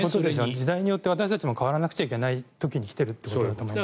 時代によって私たちも変わらなきゃいけない時に来ているということだと思います。